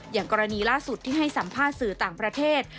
อย่างกรณีล่าสุดที่ให้สัมภาษณ์สื่อต่างประเทศ